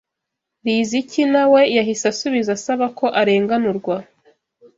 Riziki na we yahise asubiza asaba ko arenganurwa